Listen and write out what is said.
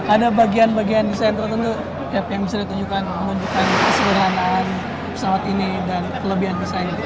ada bagian bagian desain tertentu yang bisa ditunjukkan menunjukkan kesederhanaan pesawat ini dan kelebihan desain